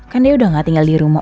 kan dia udah gak tinggal di rumah